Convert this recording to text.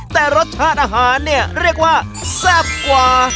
แต่รสชาติอาหารเนี่ยเรียกว่าแซ่บกว่า